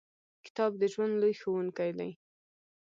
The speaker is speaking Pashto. • کتاب د ژوند لوی ښوونکی دی.